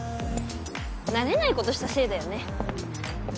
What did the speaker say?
慣れない事したせいだよね。